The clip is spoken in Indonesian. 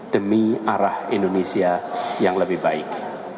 demi arah indonesia yang lebih baik